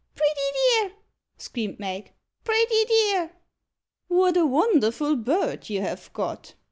"Pretty dear!" screamed Mag; "pretty dear!" "What a wonderful bird you have got!"